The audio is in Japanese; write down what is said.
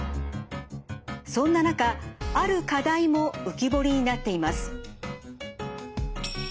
そんな中ある課題も浮き彫りになっています。